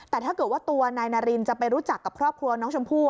แต่ถ้าเกิดว่าตัวนายนารินจะไปรู้จักกับครอบครัวน้องชมพู่